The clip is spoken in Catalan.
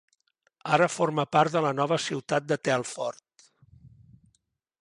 Ara forma part de la nova ciutat de Telford.